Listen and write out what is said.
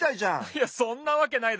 いやそんなわけないだろ。